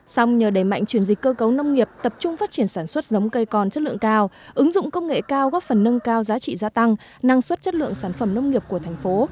xong nhờ đẩy mạnh chuyển dịch cơ cấu nông nghiệp tập trung phát triển sản xuất giống cây con chất lượng cao ứng dụng công nghệ cao góp phần nâng cao giá trị gia tăng năng suất chất lượng sản phẩm nông nghiệp của thành phố